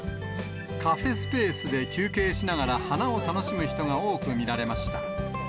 カフェスペースで休憩しながら花を楽しむ人が多く見られました。